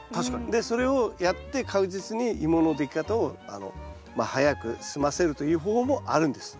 でそれをやって確実にイモのでき方を早く済ませるという方法もあるんです。